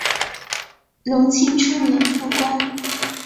隆庆初年复官。